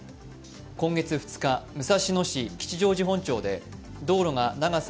今月２日、武蔵野市吉祥寺本町で道路が長さ